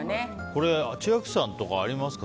千秋さんとかありますか？